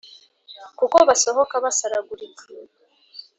Kuko basohoka basaragurika